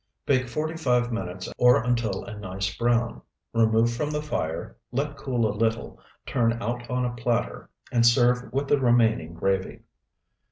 Bake forty five minutes or until a nice brown. Remove from the fire, let cool a little, turn out on a platter, and serve with the remaining gravy.